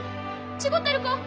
違てるか？